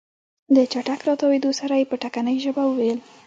له چټک راتاوېدو سره يې په ټکنۍ ژبه وويل.